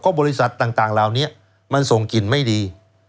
บริษัทต่างเหล่านี้มันส่งกลิ่นไม่ดี